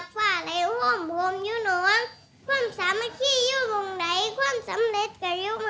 เป็นคนก็ยะเรื่อง